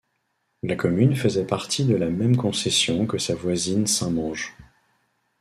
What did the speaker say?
La commune faisait partie de la même concession que sa voisine Saint-Menge.